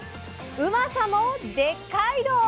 うまさもでっかいど。